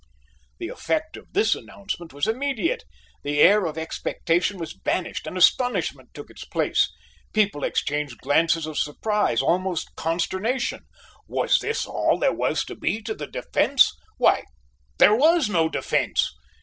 The effect of this announcement was immediate; the air of expectation was banished and astonishment took its place; people exchanged glances of surprise almost consternation: "Was this all there was to be to the defence; why! there was no defence."